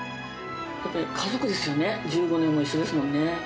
やはり家族ですよね、１５年も一緒ですもんね。